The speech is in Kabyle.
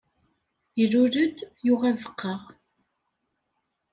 Ilul-d, yuɣ abeqqa.